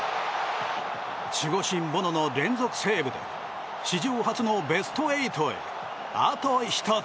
守護神ボノの連続セーブで史上初のベスト８へあと１つ。